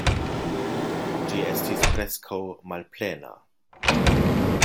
Ĝi estis preskaŭ malplena.